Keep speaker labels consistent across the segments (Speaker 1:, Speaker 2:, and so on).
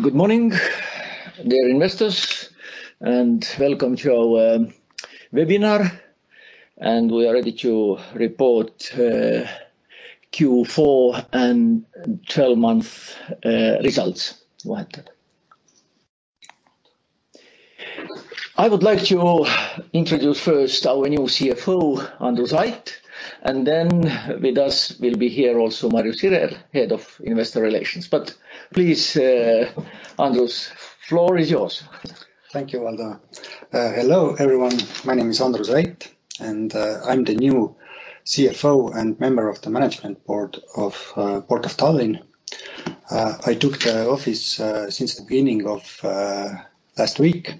Speaker 1: Good morning, dear investors, and welcome to our webinar. We are ready to report Q4 and 12-month results. Go ahead. I would like to introduce first our new CFO, Andrus Ait, and then with us will be here also Marju Zirel, Head of Investor Relations. Please, Andrus, floor is yours.
Speaker 2: Thank you, Valdo. Hello, everyone. My name is Andrus Ait, and I'm the new CFO and Member of the Management Board of Port of Tallinn. I took the office since the beginning of last week.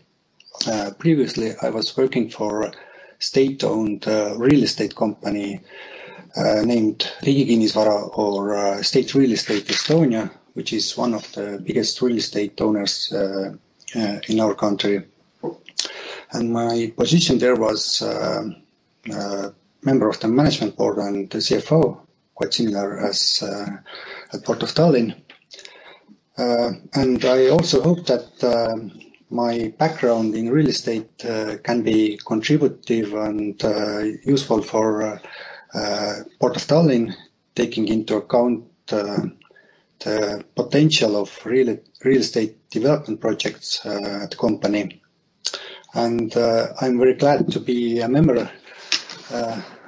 Speaker 2: Previously, I was working for state-owned real estate company named Riigi Kinnisvara or State Real Estate Estonia, which is one of the biggest real estate owners in our country. My position there was Member of the Management Board and the CFO, quite similar as at Port of Tallinn. I also hope that my background in real estate can be contributive and useful for Port of Tallinn, taking into account the potential of real estate development projects at the company. I'm very glad to be a member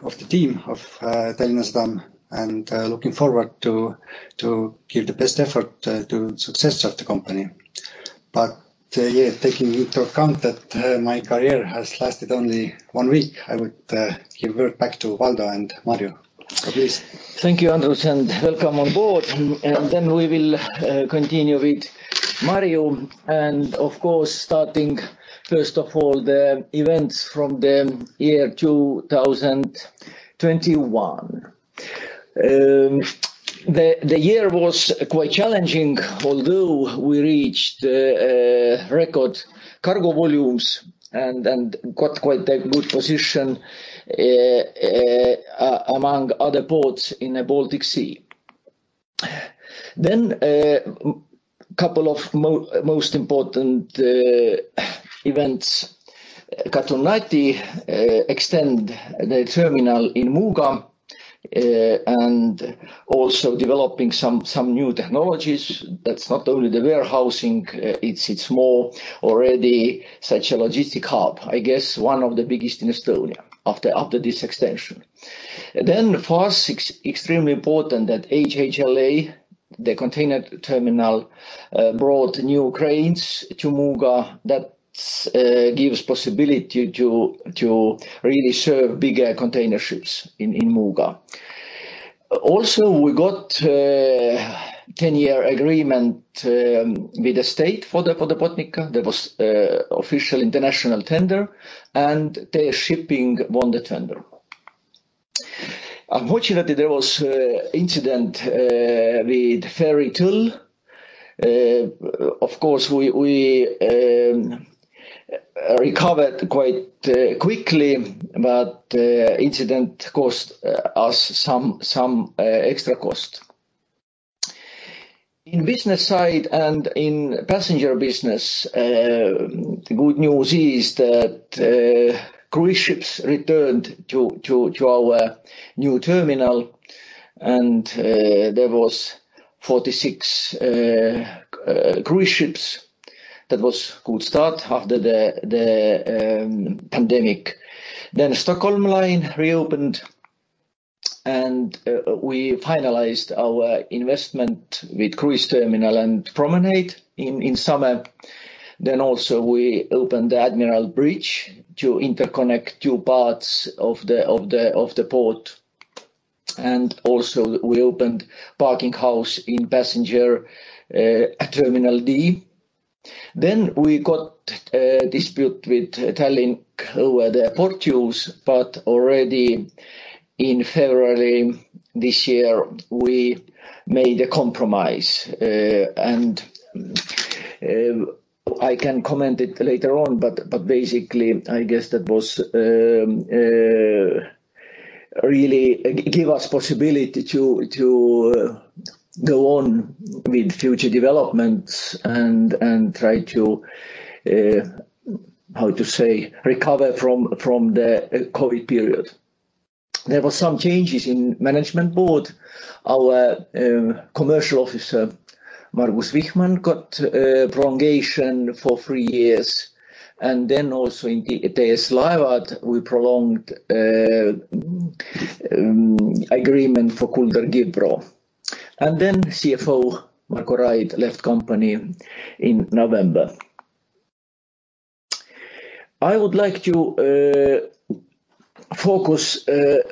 Speaker 2: of the team of Tallinna Sadam and looking forward to give the best effort to success of the company. Yeah, taking into account that my career has lasted only one week, I would give work back to Valdo and Marju. Please.
Speaker 1: Thank you, Andrus, welcome on board. Then we will continue with Marju, and of course, starting, first of all, the events from the year 2021. The year was quite challenging, although we reached record cargo volumes and got quite a good position among other ports in the Baltic Sea. Couple of most important events. Katoen Natie extend the terminal in Muuga and also developing some new technologies. That's not only the warehousing, it's more already such a logistic hub. I guess one of the biggest in Estonia after this extension. For us, extremely important that HHLA, the container terminal, brought new cranes to Muuga that's gives possibility to really serve bigger container ships in Muuga. We got a 10-year agreement with the state for the Botnica. There was a official international tender, and TS Shipping won the tender. Unfortunately, there was a incident with ferry Tõll. Of course, we recovered quite quickly, the incident cost us some extra cost. In business side and in passenger business, the good news is that cruise ships returned to our new terminal, there was 46 cruise ships. That was good start after the pandemic. Stockholm line reopened, we finalized our investment with cruise terminal and promenade in summer. Also we opened the Admiral Bridge to interconnect two parts of the port, also we opened parking house in passenger Terminal D. We got a dispute with Tallink over the port use, but already in February this year, we made a compromise. I can comment it later on, but basically, I guess that really give us possibility to go on with future developments and try to, how to say, recover from the COVID period. There were some changes in management board. Our Commercial Officer, Margus Vihman, got prolongation for three years. Also in TS Laevad, we prolonged agreement for Guldar Kivro. CFO Marko Raid left company in November. I would like to focus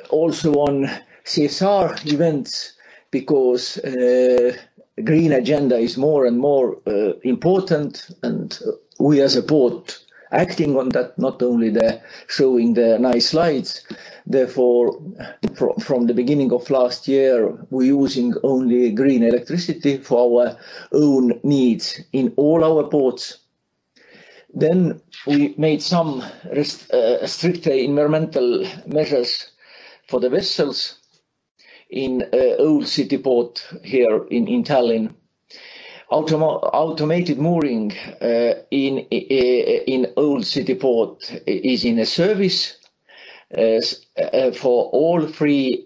Speaker 1: also on CSR events because green agenda is more and more important and we as a port acting on that, not only the showing the nice slides. Therefore, from the beginning of last year, we're using only green electricity for our own needs in all our ports. We made some more stricter environmental measures for the vessels in Old City Port here in Tallinn. Automated mooring in Old City Port is in a service for all three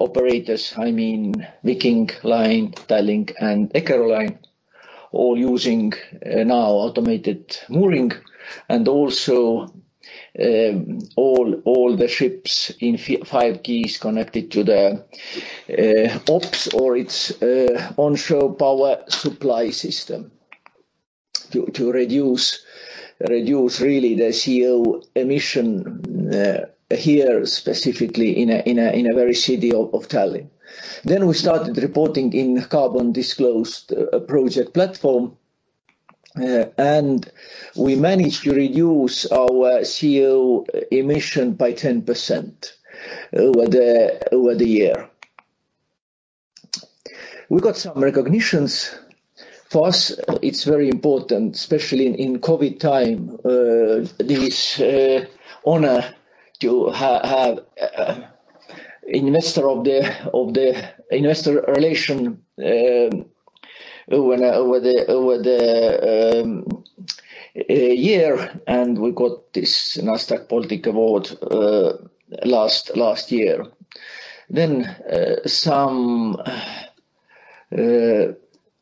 Speaker 1: operators. I mean, Viking Line, Tallink, and Eckerö Line, all using now automated mooring, and also all the ships in five quays connected to the OPS or its onshore power supply system to reduce CO2 emission here specifically in a very city of Tallinn. We started reporting in Carbon Disclosure Project platform, and we managed to reduce our CO2 emission by 10% over the year. We got some recognitions. For us, it's very important, especially in COVID time, this honor to have investor of the investor relation over the year. We got this Nasdaq Baltic Award last year. Some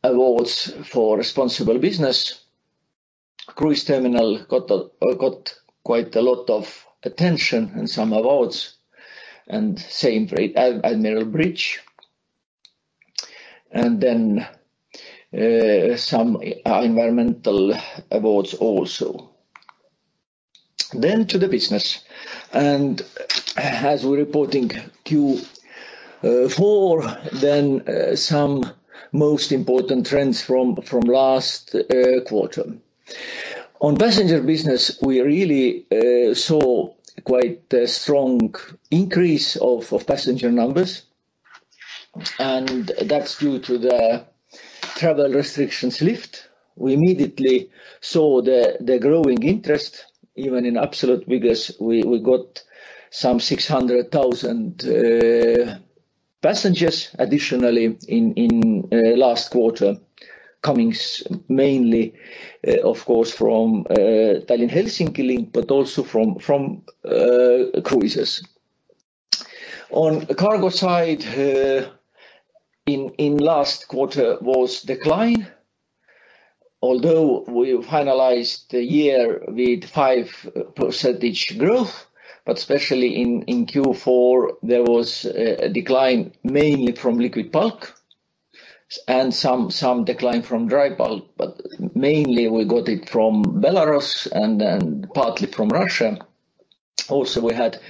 Speaker 1: awards for responsible business. Cruise terminal got quite a lot of attention and some awards, and same for Admiral Bridge, and some environmental awards also. To the business, and as we're reporting Q4, then some most important trends from last quarter. On passenger business, we really saw quite a strong increase of passenger numbers, and that's due to the travel restrictions lift. We immediately saw the growing interest, even in absolute figures. We got some 600,000 passengers additionally in last quarter, coming mainly, of course, from Tallinn-Helsinki link, but also from cruises. On cargo side, in last quarter was decline. Although we finalized the year with 5% growth, but especially in Q4, there was a decline mainly from liquid bulk and some decline from dry bulk. Mainly we got it from Belarus and partly from Russia. We had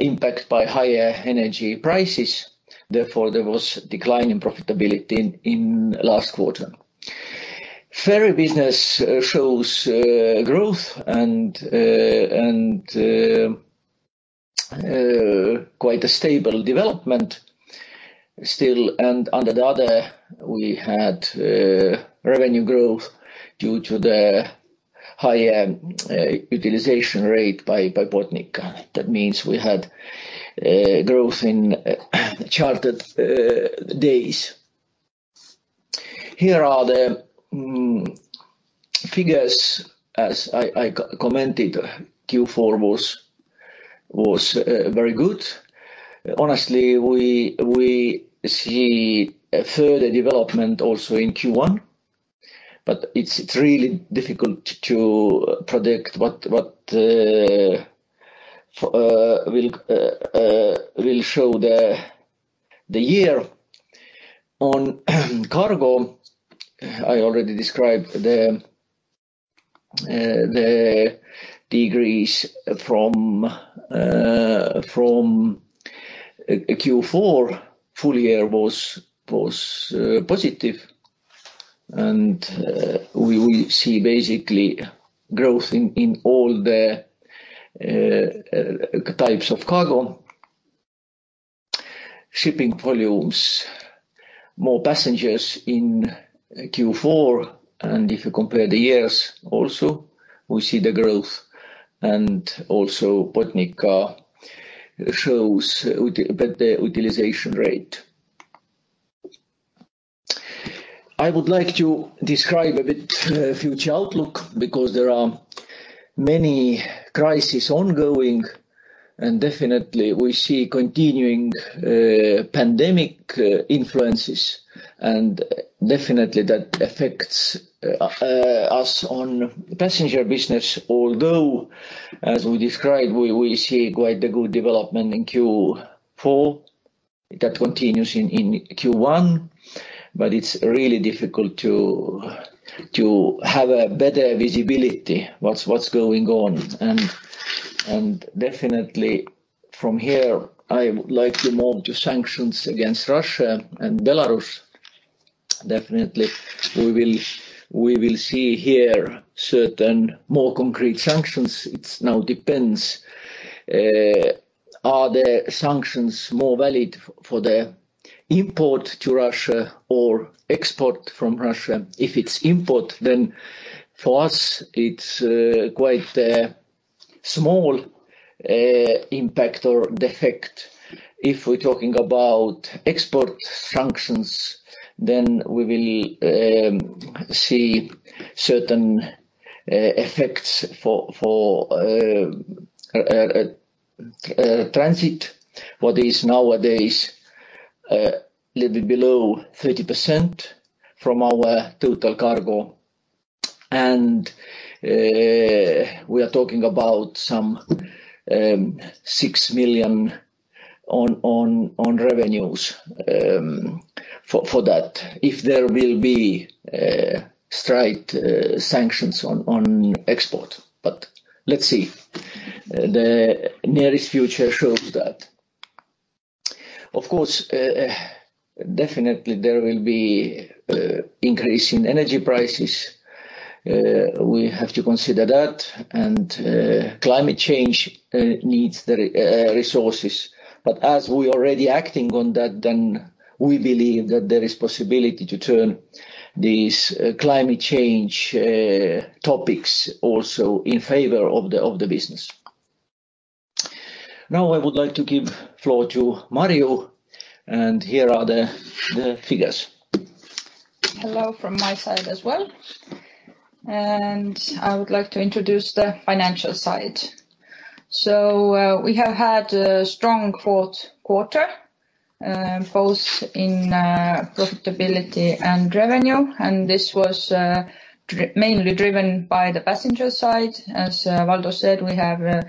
Speaker 1: impact by higher energy prices, therefore, there was decline in profitability in last quarter. Ferry business shows growth and quite a stable development still. Under the other, we had revenue growth due to the high utilization rate by Botnica. That means we had growth in chartered days. Here are the figures. As I co-commented, Q4 was very good. Honestly, we see a further development also in Q1, but it's really difficult to predict what will show the year. On cargo, I already described the decrease from Q4. Full year was positive, and we will see basically growth in all the types of cargo. Shipping volumes, more passengers in Q4, and if you compare the years also, we see the growth, and also Botnica shows better utilization rate. I would like to describe a bit future outlook because there are many crises ongoing, and definitely we see continuing pandemic influences, and definitely that affects us on passenger business. As we described, we see quite a good development in Q4 that continues in Q1, but it's really difficult to have a better visibility what's going on. Definitely from here, I would like to move to sanctions against Russia and Belarus. Definitely we will see here certain more concrete sanctions. It now depends, are the sanctions more valid for the import to Russia or export from Russia. If it's import, for us it's quite a small impact or the effect. If we're talking about export sanctions, we will see certain effects for transit, what is nowadays little below 30% from our total cargo. We are talking about some 6 million on revenues for that. If there will be straight sanctions on export. Let's see. The nearest future shows that. Of course, definitely there will be increase in energy prices. We have to consider that. Climate change needs the resources. As we already acting on that, then we believe that there is possibility to turn these climate change topics also in favor of the business. Now, I would like to give floor to Marju, and here are the figures.
Speaker 3: Hello from my side as well. I would like to introduce the financial side. We have had a strong quarter, both in profitability and revenue, and this was mainly driven by the passenger side. As Valdo said, we have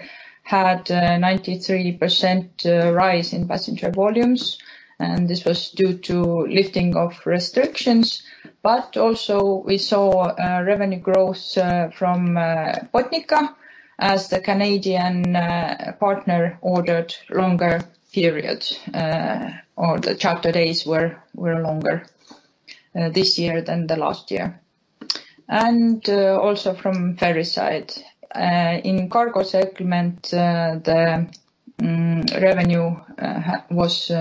Speaker 3: had 93% rise in passenger volumes, and this was due to lifting of restrictions. Also we saw revenue growth from Botnica as the Canadian partner ordered longer period, or the charter days were longer this year than the last year. Also from ferry side. In cargo segment, the revenue was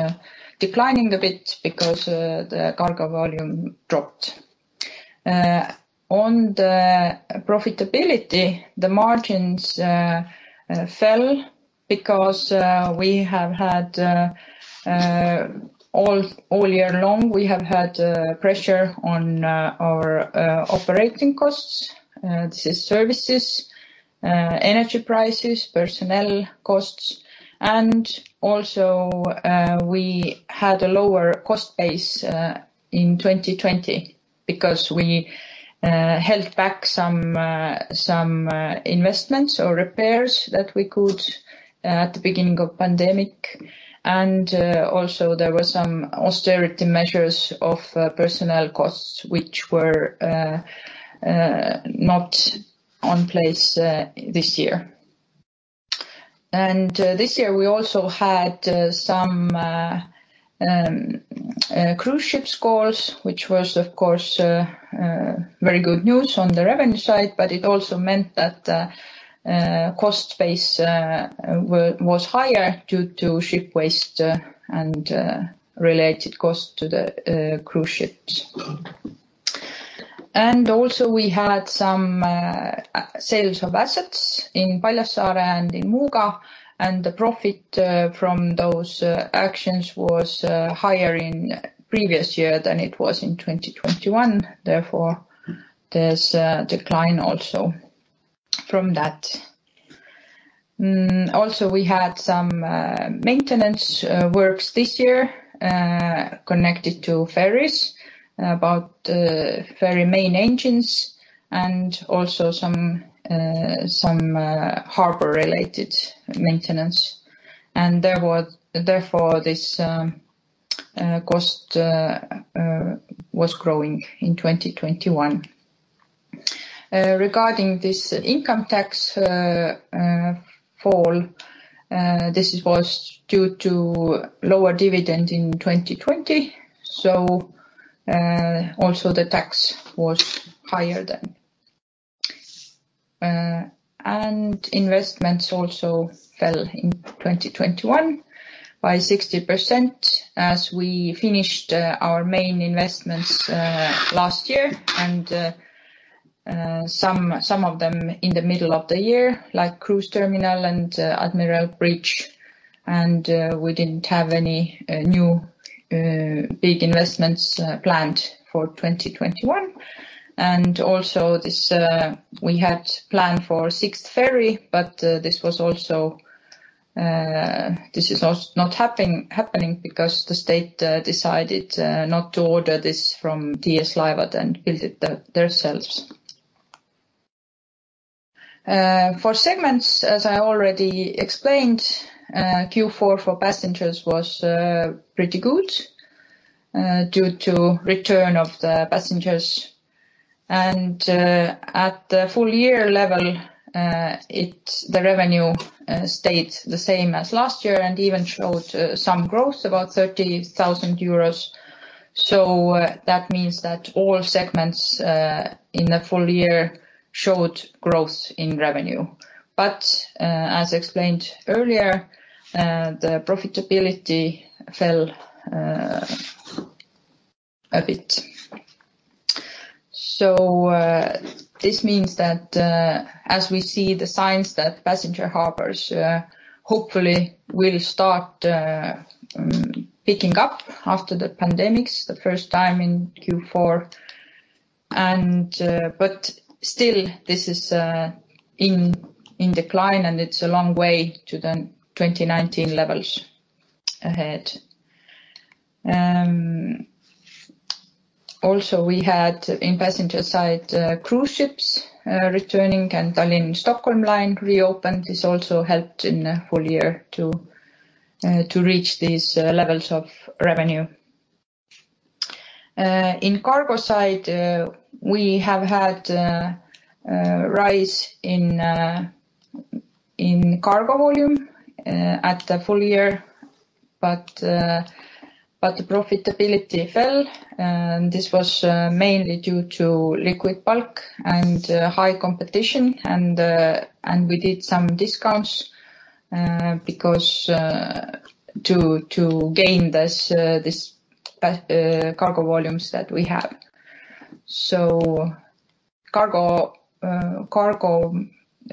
Speaker 3: declining a bit because the cargo volume dropped. On the profitability, the margins fell because we have had all year long pressure on our operating costs. This is services, energy prices, personnel costs. Also, we had a lower cost base in 2020 because we held back some investments or repairs that we could at the beginning of pandemic. Also, there were some austerity measures of personnel costs, which were not on place this year. This year we also had some cruise ships calls, which was, of course, very good news on the revenue side, but it also meant that cost base was higher due to ship waste and related cost to the cruise ships. Also we had some sales of assets in Paljassaare and in Muuga, and the profit from those actions was higher in previous year than it was in 2021, therefore there's a decline also from that. Also, we had some maintenance works this year connected to ferries about ferry main engines and also some harbor related maintenance. Therefore this cost was growing in 2021. Regarding this income tax fall, this was due to lower dividend in 2020, so also the tax was higher then. Investments also fell in 2021 by 60% as we finished our main investments last year and some of them in the middle of the year, like cruise terminal and Admiral Bridge. We didn't have any new big investments planned for 2021. Also this, we had planned for sixth ferry, but this was also not happening because the state decided not to order this from TS Laevad and build it theirselves. For segments, as I already explained, Q4 for passengers was pretty good due to return of the passengers. At the full year level, the revenue stayed the same as last year and even showed some growth about 30,000 euros. That means that all segments in the full year showed growth in revenue. As explained earlier, the profitability fell a bit. This means that as we see the signs that passenger harbors hopefully will start picking up after the pandemics the first time in Q4. Still this is in decline, and it's a long way to the 2019 levels ahead. Also we had in passenger side cruise ships returning and Tallinn-Stockholm line reopened. This also helped in the full year to reach these levels of revenue. In cargo side, we have had a rise in cargo volume at the full year. The profitability fell, and this was mainly due to liquid bulk and high competition and we did some discounts, because to gain this cargo volumes that we have. Cargo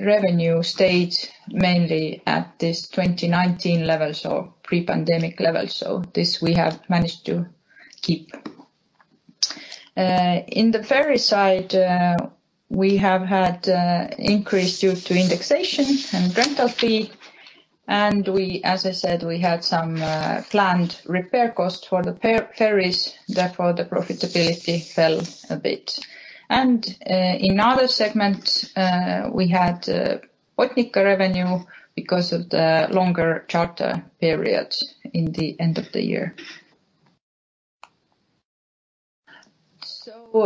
Speaker 3: revenue stayed mainly at this 2019 levels or pre-pandemic levels. This we have managed to keep. In the ferry side, we have had increase due to indexation and rental fee, as I said, we had some planned repair cost for the ferries, therefore the profitability fell a bit. In other segments, we had Botnica revenue because of the longer charter period in the end of the year.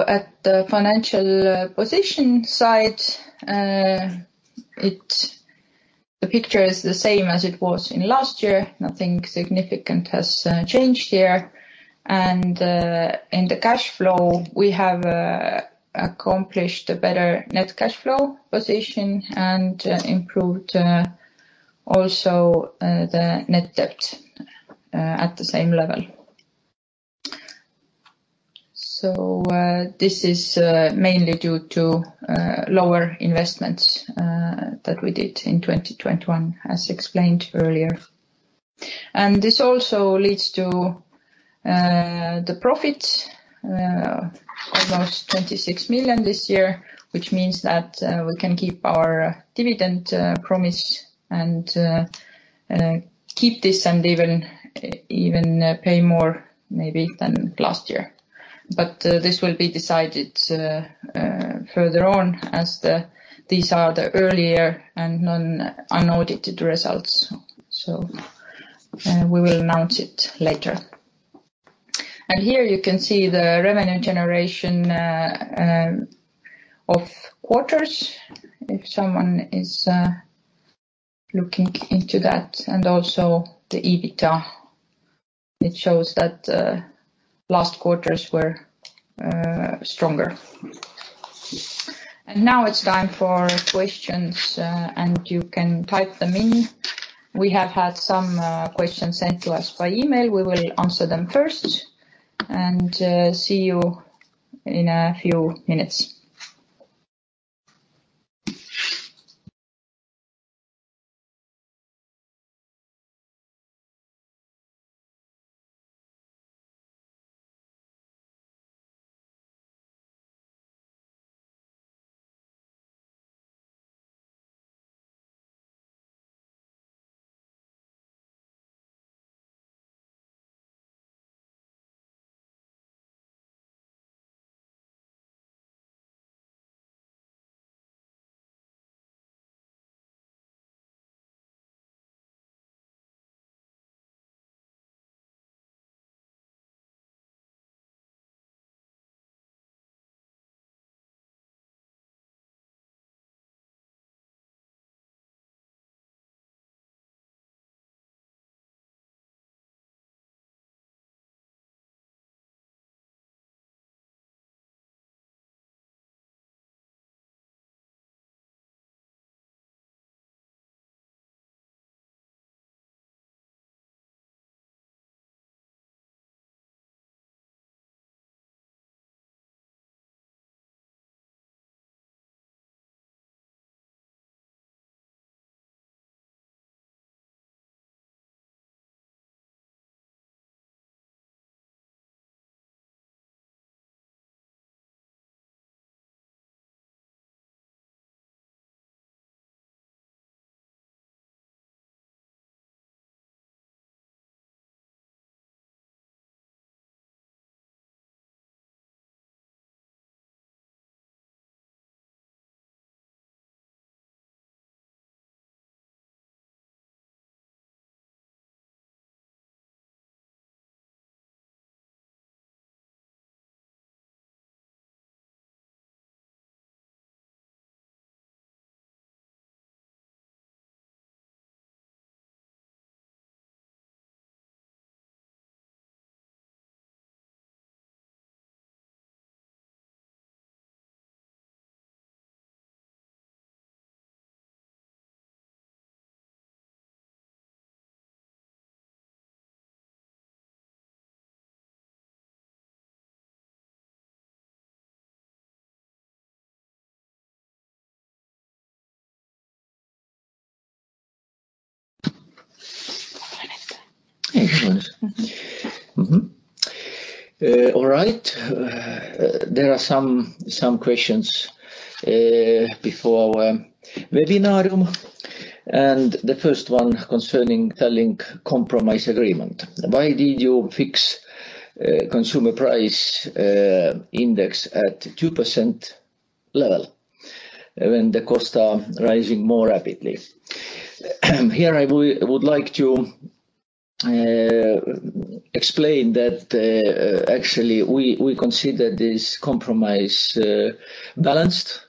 Speaker 3: At the financial position side, the picture is the same as it was in last year. Nothing significant has changed here. In the cash flow, we have accomplished a better net cash flow position and improved also the net debt at the same level. This is mainly due to lower investments that we did in 2021 as explained earlier. This also leads to the profit almost 26 million this year, which means that we can keep our dividend promise and keep this and even pay more maybe than last year. This will be decided further on as these are the earlier and unaudited results. We will announce it later. Here you can see the revenue generation of quarters if someone is looking into that and also the EBITDA. It shows that last quarters were stronger. Now it's time for questions and you can type them in. We have had some questions sent to us by email. We will answer them first. See you in a few minutes.
Speaker 1: All right. There are some questions before our webinar. The first one concerning Tallink compromise agreement. Why did you fix consumer price index at 2% level when the costs are rising more rapidly? Here I would like to explain that actually we consider this compromise balanced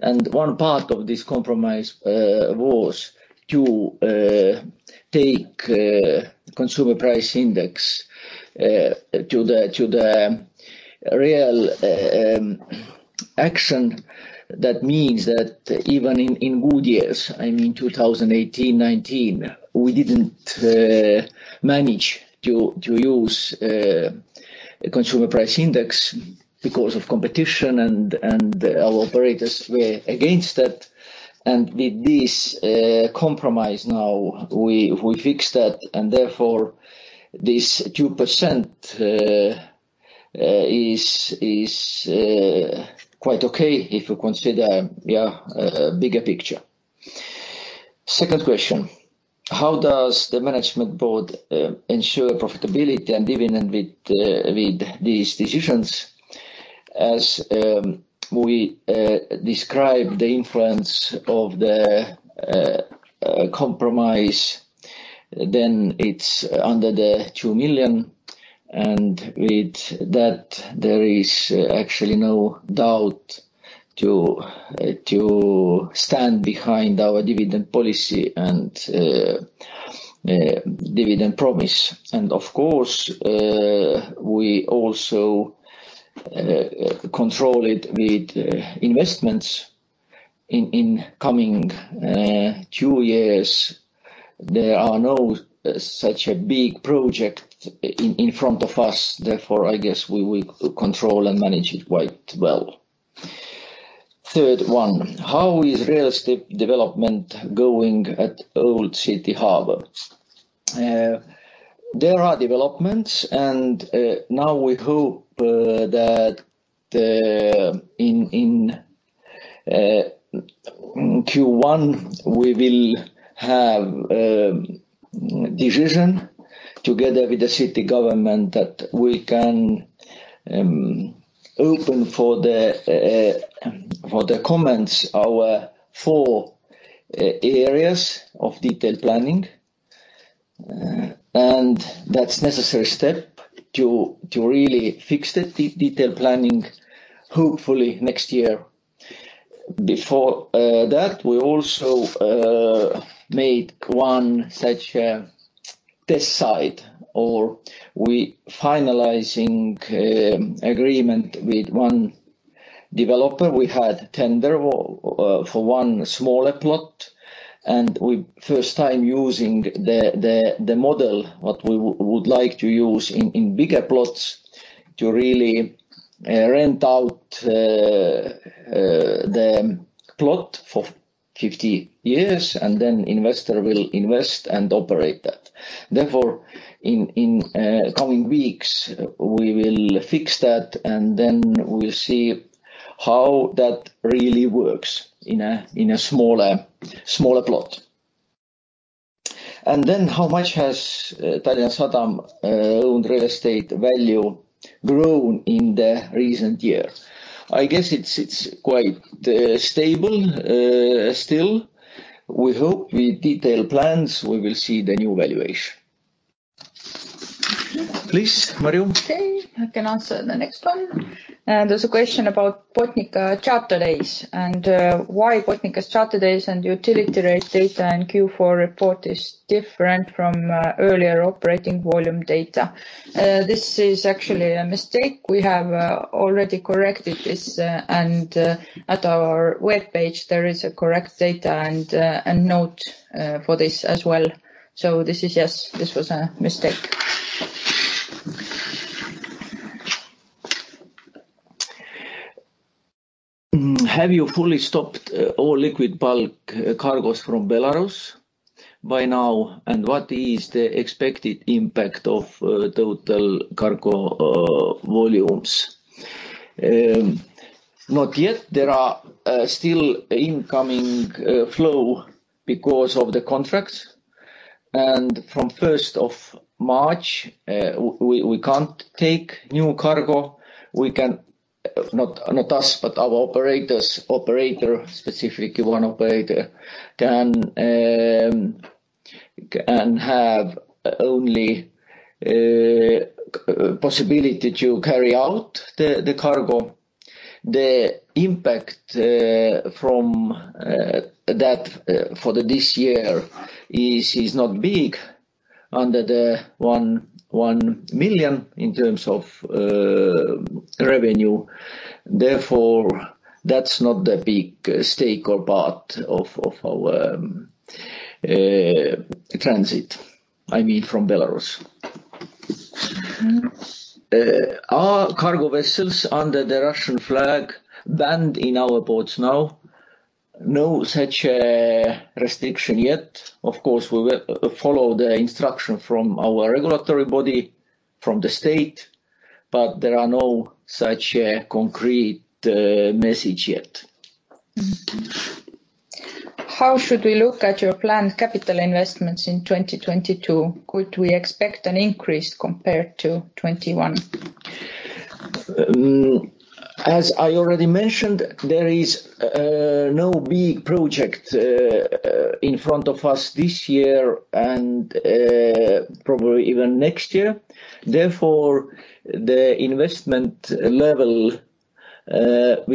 Speaker 1: and one part of this compromise was to take consumer price index to the real action. That means that even in good years, I mean, 2018, 2019, we didn't manage to use consumer price index because of competition and our operators were against that. With this compromise now we fixed that and therefore this 2% is quite okay if you consider a bigger picture. Second question: how does the management board ensure profitability and dividend with these decisions? We describe the influence of the compromise, then it's under the 2 million, and with that there is actually no doubt to stand behind our dividend policy and dividend promise. Of course, we also control it with investments in coming two years. There are no such a big project in front of us, therefore I guess we will control and manage it quite well. Third one: how is real estate development going at Old City Harbour? There are developments, now we hope that in Q1 we will have decision together with the city government that we can open for the comments our four areas of detailed planning. That's necessary step to really fix the detailed planning, hopefully next year. Before that, we also made one such test site or we finalizing agreement with one developer. We had tender for one smaller plot, and we first time using the model what we would like to use in bigger plots to really rent out the plot for 50 years, and then investor will invest and operate that. Therefore in coming weeks we will fix that, and then we'll see how that really works in a smaller plot. How much has Tallinna Sadam owned real estate value grown in the recent years? I guess it's quite stable still. We hope with detailed plans we will see the new valuation. Please, Marju.
Speaker 3: Okay. I can answer the next one. There's a question about Botnica charter days, and why Botnica's charter days and utility rate data and Q4 report is different from earlier operating volume data. This is actually a mistake. We have already corrected this, and at our webpage there is a correct data and a note for this as well. This is yes, this was a mistake.
Speaker 1: Have you fully stopped all liquid bulk cargos from Belarus by now? What is the expected impact of total cargo volumes? Not yet. There are still incoming flow because of the contracts. From 1st of March, we can't take new cargo. Not us, but our operators, specifically one operator can have only possibility to carry out the cargo. The impact from that for this year is not big under 1 million in terms of revenue. Therefore, that's not the big stake or part of our transit, I mean, from Belarus. Are cargo vessels under the Russian flag banned in our ports now? No such a restriction yet. Of course, we will follow the instruction from our regulatory body, from the state, but there are no such a concrete message yet.
Speaker 3: How should we look at your planned capital investments in 2022? Could we expect an increase compared to 2021?
Speaker 1: As I already mentioned, there is no big project in front of us this year and probably even next year. Therefore, the investment level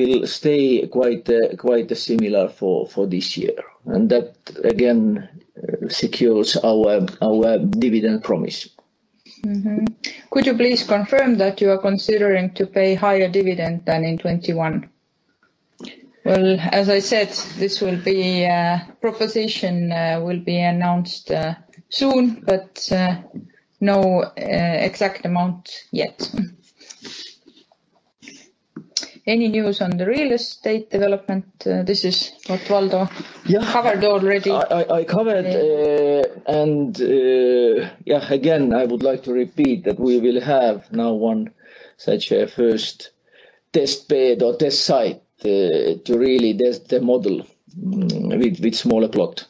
Speaker 1: will stay quite similar for this year, and that again secures our dividend promise.
Speaker 3: Could you please confirm that you are considering to pay higher dividend than in 2021? Well, as I said, this will be proposition, will be announced soon, but no exact amount yet. Any news on the real estate development? this is what Valdo...
Speaker 1: Yeah
Speaker 3: ...covered already.
Speaker 1: I covered...
Speaker 3: Yeah
Speaker 1: Yeah, again, I would like to repeat that we will have now one such a first test bed or test site, to really test the model with smaller plot.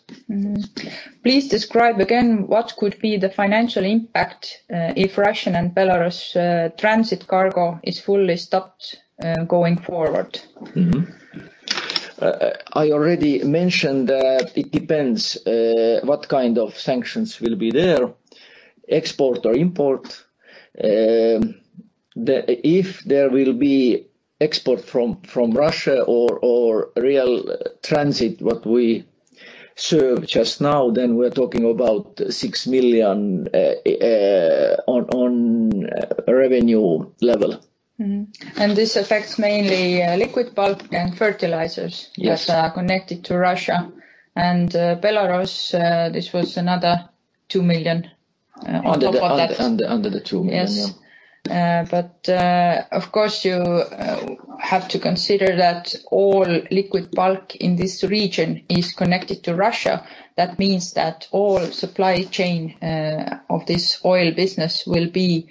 Speaker 3: Please describe again what could be the financial impact if Russian and Belarus transit cargo is fully stopped going forward?
Speaker 1: I already mentioned that it depends what kind of sanctions will be there, export or import. If there will be export from Russia or real transit what we serve just now, then we're talking about 6 million on revenue level.
Speaker 3: This affects mainly liquid bulk and fertilizers.
Speaker 1: Yes
Speaker 3: that are connected to Russia and Belarus, this was another 2 million on top of that.
Speaker 1: Under the 2 million.
Speaker 3: Yes. Of course you have to consider that all liquid bulk in this region is connected to Russia. That means that all supply chain of this oil business will be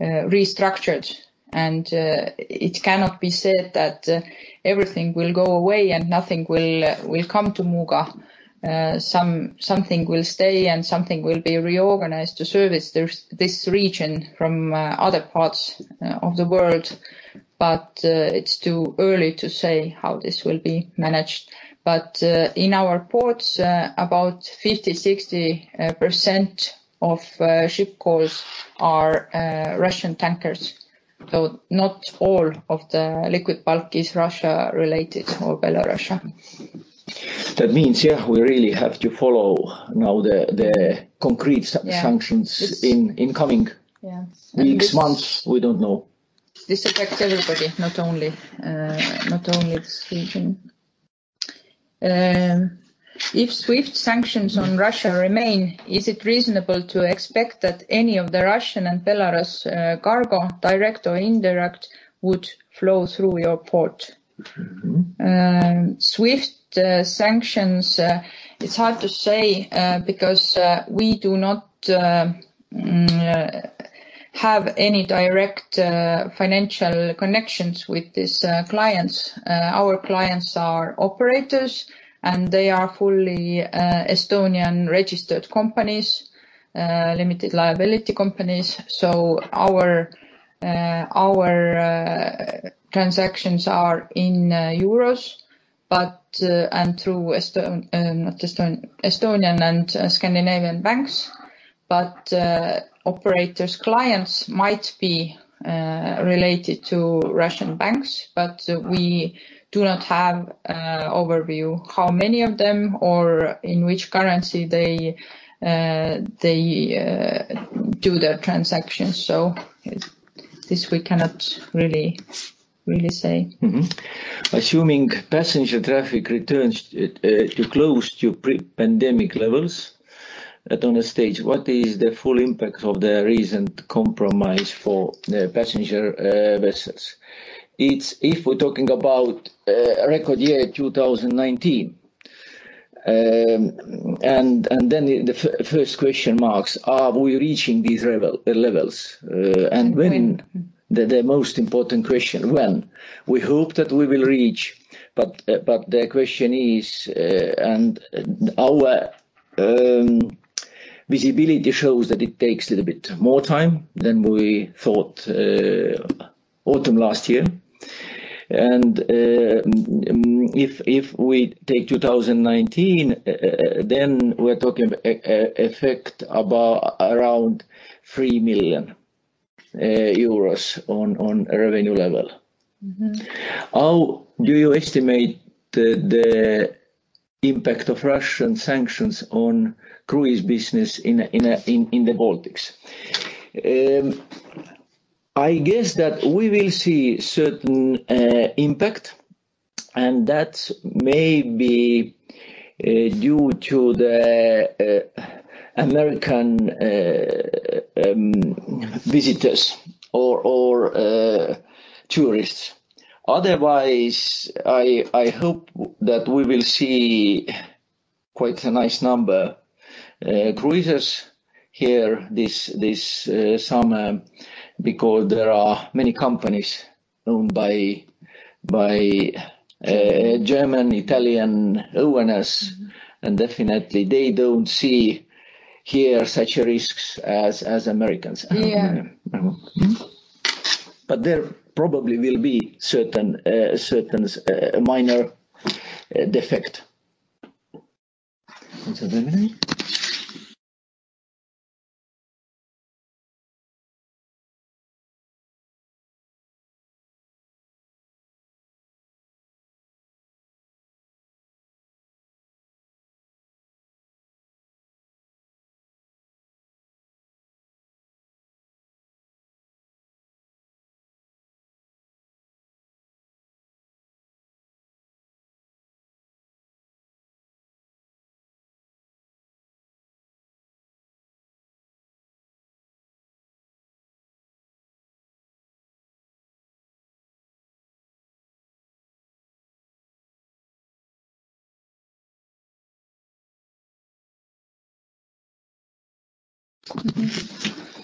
Speaker 3: restructured, and it cannot be said that everything will go away and nothing will come to Muuga. Something will stay and something will be reorganized to service this region from other parts of the world, it's too early to say how this will be managed. In our ports, about 50%, 60% of ship calls are Russian tankers, so not all of the liquid bulk is Russia related or Belorussia.
Speaker 1: That means, yeah, we really have to follow now the concrete.
Speaker 3: Yeah
Speaker 1: sanctions in...
Speaker 3: Yeah
Speaker 1: ...weeks, months. We don't know.
Speaker 3: This affects everybody, not only, not only this region. If SWIFT sanctions on Russia remain, is it reasonable to expect that any of the Russian and Belarus cargo, direct or indirect, would flow through your port? SWIFT sanctions, it's hard to say, because we do not have any direct financial connections with these clients. Our clients are operators, and they are fully Estonian registered companies, limited liability companies. Our transactions are in euros, but and through Estonian and Scandinavian banks. Operator's clients might be related to Russian banks, but we do not have overview how many of them or in which currency they do their transactions. This we cannot really, really say.
Speaker 1: Assuming passenger traffic returns to close to pre-pandemic levels at on a stage, what is the full impact of the recent compromise for the passenger vessels? It's if we're talking about record year 2019, and then the first question marks, are we reaching these levels?
Speaker 3: When...
Speaker 1: The most important question, when? We hope that we will reach, but the question is, and our visibility shows that it takes a little bit more time than we thought, autumn last year. If we take 2019, then we're talking effect about around 3 million euros on revenue level. How do you estimate the impact of Russian sanctions on cruise business in the Baltics? I guess that we will see certain impact, and that may be due to the American visitors or tourists. Otherwise, I hope that we will see quite a nice number, cruisers here this summer because there are many companies owned by German, Italian owners. Definitely they don't see here such risks as Americans.
Speaker 3: Yeah.
Speaker 1: I hope. There probably will be certain minor defect. Is that everything?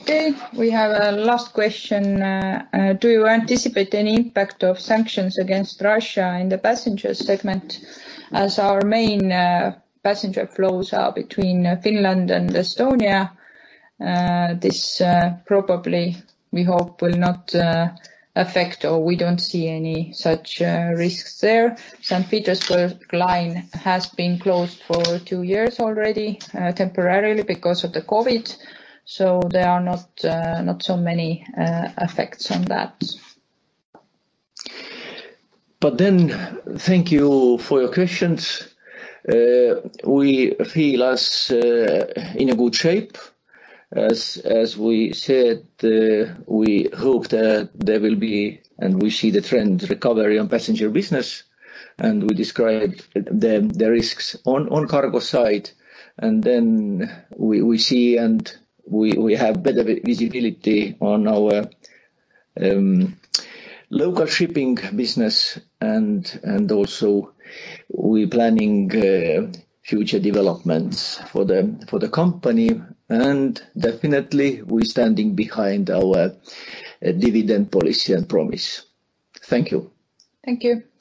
Speaker 3: Okay, we have a last question. Do you anticipate any impact of sanctions against Russia in the passenger segment? As our main passenger flows are between Finland and Estonia, this probably we hope will not affect or we don't see any such risks there. St. Petersburg line has been closed for two years already, temporarily because of the COVID, so there are not so many effects on that.
Speaker 1: Thank you for your questions. We feel as in a good shape. As we said, we hope that there will be, and we see the trend recovery on passenger business, and we describe the risks on cargo side. We see and we have better visibility on our local shipping business and also we're planning future developments for the company. Definitely we're standing behind our dividend policy and promise. Thank you.
Speaker 3: Thank you. Good chat.